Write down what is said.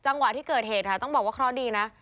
จังหวะที่เกิดเขตต้องบอกว่าเขาดีนะ